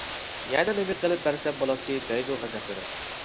يەنە نېمە قىلىپ بەرسەم بولاتتى دەيدۇ غەزەپلىنىپ.